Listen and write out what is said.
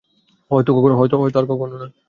হয়তো কখনো না।